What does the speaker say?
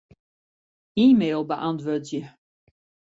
E-mail beäntwurdzje.